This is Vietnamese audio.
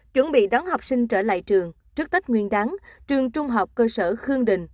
chuẩn bị đón học sinh trở lại trường trước tết nguyên đáng trường trung học cơ sở khương đình